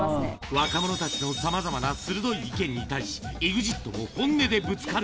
若者たちのさまざまな鋭い意見に対し、ＥＸＩＴも本音でぶつかる。